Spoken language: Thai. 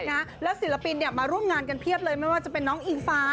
แล้วศิลปินเนี่ยมาร่วมงานกันเพียบเลยไม่ว่าจะเป็นน้องอิงฟ้า